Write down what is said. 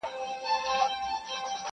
په څو چنده له قېمته د ټوكرانو.!